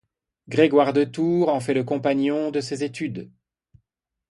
Grégoire de Tours en fait le compagnon de ses études.